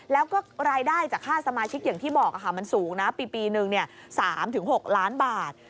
แล้วก็รายได้จากค่าสมาชิกอย่างที่บอกมันสูงนะปีนึง๓๖ล้านบาท